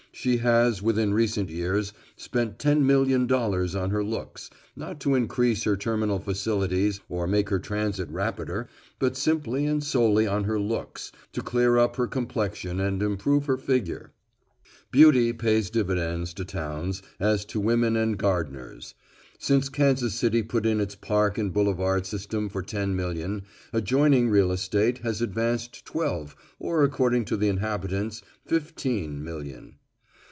She has, within recent years, spent ten million dollars on her looks not to increase her terminal facilities or make her transit rapider but simply and solely on her looks, to clear up her complexion and improve her figure. Beauty pays dividends to towns, as to women and gardeners. Since Kansas City put in its park and boulevard system for ten million, adjoining real estate has advanced twelve, or according to the inhabitants, fifteen million.